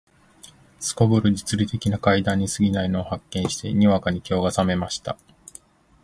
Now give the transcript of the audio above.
頗る実利的な階段に過ぎないのを発見して、にわかに興が覚めました